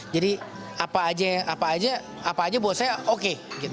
jadi apa aja buat saya oke